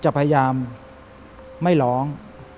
จะพยายามไม่ร้อง